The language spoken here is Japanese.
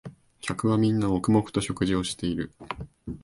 客はみんな黙々と食事をしている